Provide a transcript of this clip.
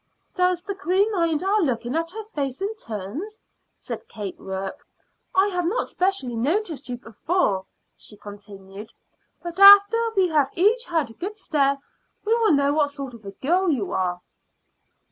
"Does the queen mind our looking at her face in turns?" said Kate Rourke. "I have not specially noticed you before," she continued, "but after we have each had a good stare we will know what sort of girl you are."